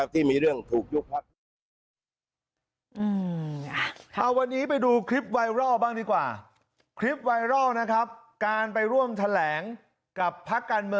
ที่มีเรื่องถูกยุบพัก